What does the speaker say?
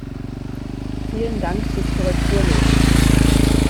Vielen Dank fürs Korrekturlesen!